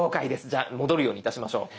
じゃあ戻るようにいたしましょう。